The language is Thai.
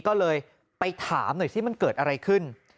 ก็เลยไปถามหน่อยสิมันเกิดอะไรขึ้น